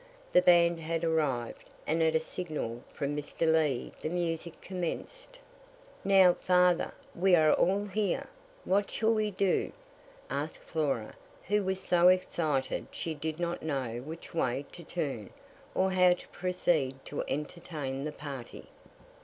The band had arrived, and at a signal from Mr. Lee the music commenced. "Now, father, we are all here. What shall we do?" asked Flora, who was so excited she did not know which way to turn, or how to proceed to entertain the party.